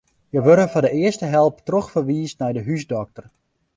Hja wurde foar de earste help trochferwiisd nei de húsdokter.